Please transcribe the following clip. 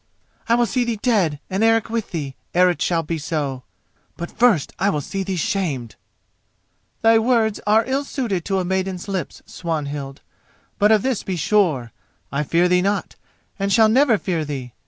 I will see thee dead, and Eric with thee, ere it shall be so! but first I will see thee shamed!" "Thy words are ill suited to a maiden's lips, Swanhild! But of this be sure: I fear thee not, and shall never fear thee.